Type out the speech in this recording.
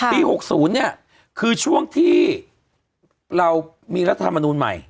ปี๖๐เนี่ยคือช่วงที่เรามีรัฐธรรมนูลใหม่